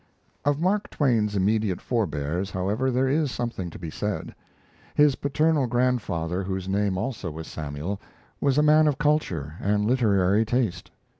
Of Mark Twain's immediate forebears, however, there is something to be said. His paternal grandfather, whose name also was Samuel, was a man of culture and literary taste.